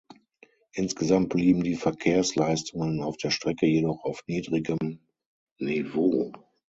Insgesamt blieben die Verkehrsleistungen auf der Strecke jedoch auf niedrigem Niveau.